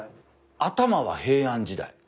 頭は平安時代